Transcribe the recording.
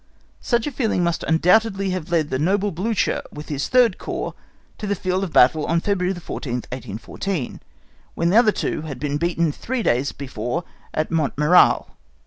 Such a feeling must undoubtedly have led the noble Blücher with his third Corps to the field of battle on February 14, 1814, when the other two had been beaten three days before at Montmirail.